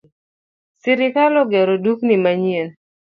Sirkal ogero dukni manyien